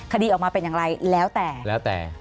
คดีออกมาเป็นอย่างไรแล้วแต่